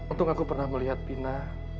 untung aku pernah melihat pina